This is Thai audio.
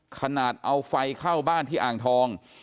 ขนาดเอาไฟเข้าบ้านที่อ่างทอง